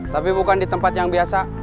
tapi bukan di tempat yang biasa